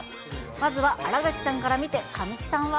まずは新垣さんから見て、神木さんは。